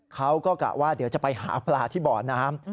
กะว่าเดี๋ยวจะไปหาปลาที่บ่อน้ำ